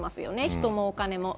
人もお金も。